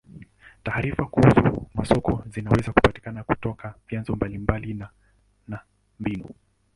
Taarifa kuhusu masoko zinaweza kupatikana kutoka vyanzo mbalimbali na na mbinu.